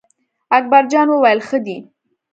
اکبر جان وویل: ښه دی.